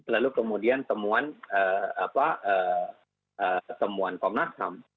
lalu kemudian temuan komnas ham